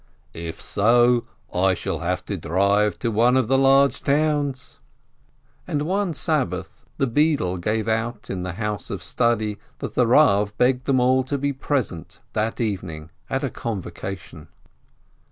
"If so, I shall have to drive to one of the large towns !" And one Sabbath the beadle gave out in the house of study that the Rav begged them all to be present that evening at a convocation.